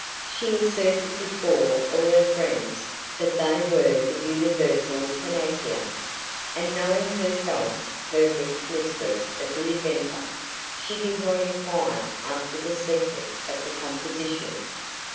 She asserted before all her friends that they were the universal panacea, and knowing herself perfect mistress of the inventor, she did not enquire after the secret of the composition.